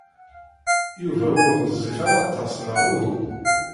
Yuba ur ɣezzif ara aṭas neɣ uhu?